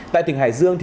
tại tỉnh hải dương